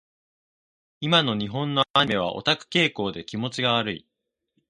今の日本のアニメはオタク傾向で気持ち悪い。